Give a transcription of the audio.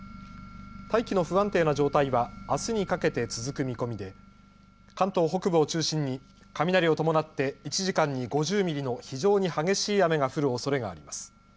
大気の不安定な状態はあすにかけて続く見込みで関東北部を中心に雷を伴って１時間に５０ミリの非常に激しい雨が降るおそれがあります。